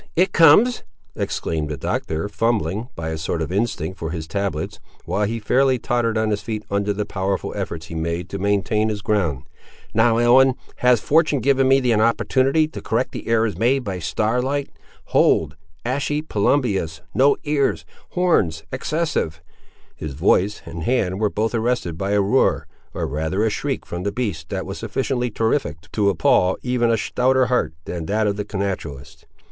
it comes!" exclaimed the Doctor, fumbling, by a sort of instinct, for his tablets, while he fairly tottered on his feet under the powerful efforts he made to maintain his ground. "Now, Ellen, has fortune given me an opportunity to correct the errors made by star light,—hold,—ashy plumbeous,—no ears,—horns, excessive." His voice and hand were both arrested by a roar, or rather a shriek from the beast, that was sufficiently terrific to appal even a stouter heart than that of the naturalist.